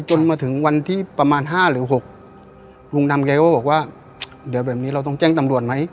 จนมาถึงวันที่ประมาณ๕หรือ๖ลุงดำแกก็บอกว่าเดี๋ยวแบบนี้เราต้องแจ้งตำรวจไหม